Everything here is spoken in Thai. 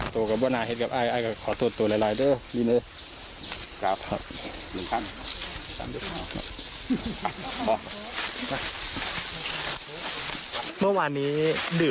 ตัวกับบ้านาเห็นกับไอไอก็ขอโทษตัวลายด้วยมีเนื้อ